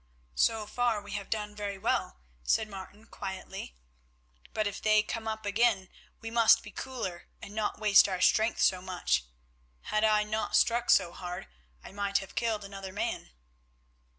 "So far we have done very well," said Martin quietly, "but if they come up again, we must be cooler and not waste our strength so much. Had I not struck so hard, I might have killed another man."